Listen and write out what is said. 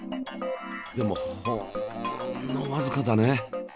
でもほんのわずかだね。